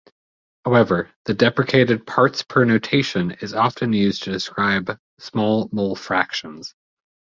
However, the deprecated parts-per notation is often used to describe small mole fractions.